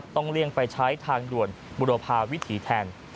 เลี่ยงไปใช้ทางด่วนบุรพาวิถีแทน